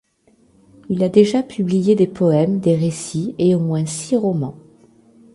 Il a déjà publié des poèmes, des récits et au moins six romans.